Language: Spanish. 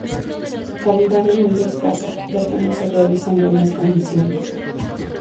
Su calidad es muy escasa ya que no se realiza en buenas condiciones.